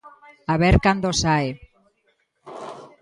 A ver cando sae.